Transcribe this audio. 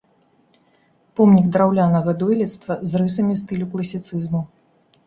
Помнік драўлянага дойлідства з рысамі стылю класіцызму.